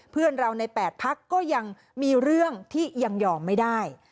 เพื่อนเราใน๘พักก็ยังมีเรื่องที่ยังยอมไม่ได้